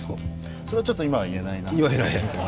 それはちょっと今は言えないな。